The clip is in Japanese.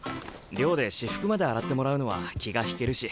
寮で私服まで洗ってもらうのは気が引けるし。